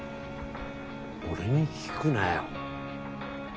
俺に聞くなよ。